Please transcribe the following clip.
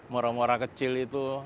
muara muara kecil itu